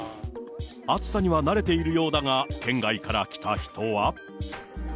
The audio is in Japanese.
暑さには慣れているようだが、県外から来た人は。